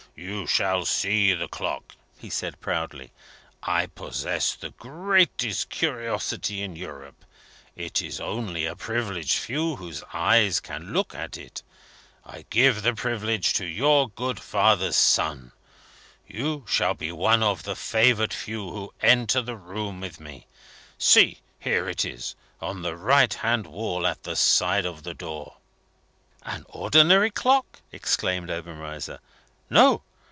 "You shall see the clock," he said proudly. "I possess the greatest curiosity in Europe. It is only a privileged few whose eyes can look at it. I give the privilege to your good father's son you shall be one of the favoured few who enter the room with me. See! here it is, on the right hand wall at the side of the door." "An ordinary clock," exclaimed Obenreizer. "No!